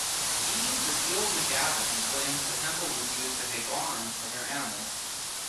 E. Cecil McGavin claims the temple was used as a barn for their animals.